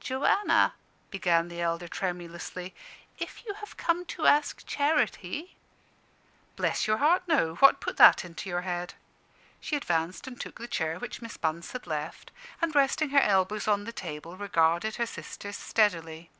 "Joanna," began the elder, tremulously, "if you have come to ask charity " "Bless your heart, no! What put that into your head?" She advanced and took the chair which Miss Bunce had left, and resting her elbows on the table, regarded her sisters steadily.